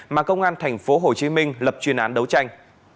mà công an thành phố hồ chí minh lập chuyên án đấu tranh